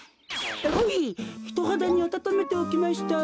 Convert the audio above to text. ほいひとはだにあたためておきました。